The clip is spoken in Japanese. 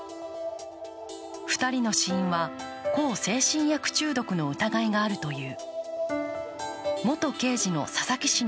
２人の死因は向精神薬中毒の疑いがあるという。